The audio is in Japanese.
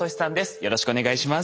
よろしくお願いします。